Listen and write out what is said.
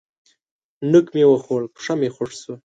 نوک مې وخوړ؛ پښه مې خوږ شوه.